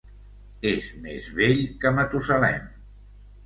És més vell que Matusalem.